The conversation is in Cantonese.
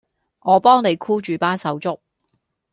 我幫你箍住班手足